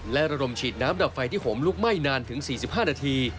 และระดมฉีดน้ำดับไฟที่ห่มลุกไหม้นานถึง๔๕นาที